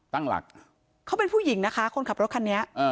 ตั้งหลักเขาเป็นผู้หญิงนะคะคนขับรถคันนี้